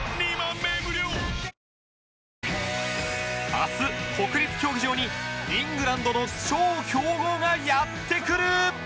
明日国立競技場にイングランドの超強豪がやって来る！